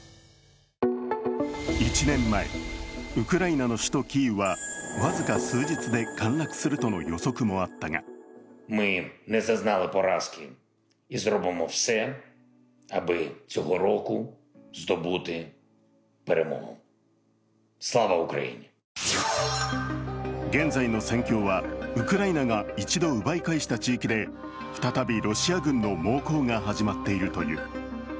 １年前、ウクライナの首都キーウは僅か数日で陥落するとの予測もあったが現在の戦況はウクライナが一度奪い返した地域で再びロシア軍の猛攻が始まっているという。